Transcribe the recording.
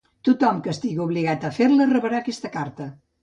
Tothom que estigui obligat a fer-la rebrà aquesta carta.